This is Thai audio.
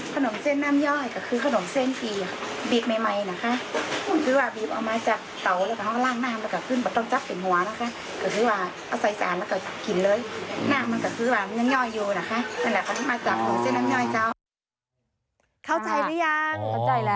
ขนมเส้นน้ำย้อยก็คือขนมเส้นกี่บีบใหม่นะคะคือว่าบีบเอามาจากเตาแล้วก็ล่างน้ำแล้วก็ขึ้นมาต้องจับเป็นหัวนะคะก็คือว่าเอาใส่สะอาดแล้วก็กินเลยน้ำมันก็คือว่ามันย้อยอยู่นะคะนั่นแหละขนมมาจากขนมเส้นน้ำย้อยเจ้า